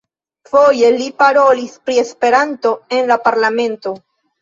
Foje li parolis pri Esperanto en la parlamento.